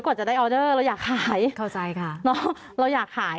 ก่อนจะได้ออเดอร์เราอยากขายเข้าใจค่ะเนอะเราอยากขาย